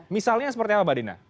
misalnya seperti apa mbak dina